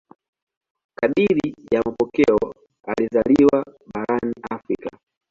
Kadiri ya mapokeo alizaliwa barani Afrika.